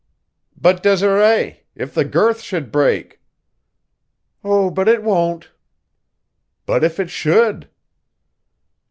"But Desiree! If the girth should break!" "Oh, but it won't." "But if it should?"